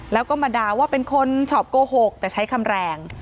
แล้วก็มาด่าว่าเป็นคนชอบโกหกแต่ใช้คำแรง